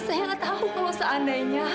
saya nggak tahu kalau seandainya